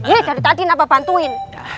iya dari tadi napa bantuin